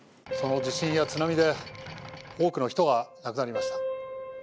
その地震や津波で多くの人が亡くなりました。